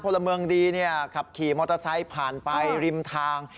พลเมืองดีขับขี่มอเตอร์ไซค์ผ่านไปริมทาง